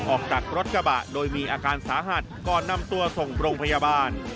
ออกจากรถกระบะโดยมีอาการสาหัสก่อนนำตัวส่งโรงพยาบาล